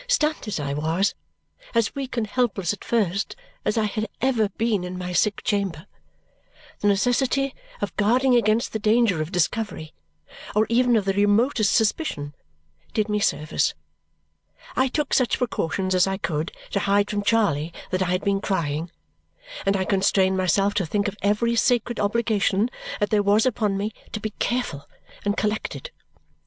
Stunned as I was, as weak and helpless at first as I had ever been in my sick chamber, the necessity of guarding against the danger of discovery, or even of the remotest suspicion, did me service. I took such precautions as I could to hide from Charley that I had been crying, and I constrained myself to think of every sacred obligation that there was upon me to be careful and collected.